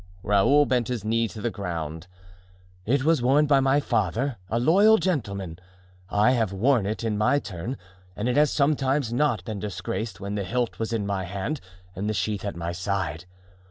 Raoul bent his knee to the ground. "It was worn by my father, a loyal gentleman. I have worn it in my turn and it has sometimes not been disgraced when the hilt was in my hand and the sheath at my side.